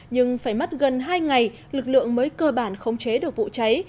nhưng phải mất gần hai ngày lực lượng mới cơ bản khống chế được vụ cháy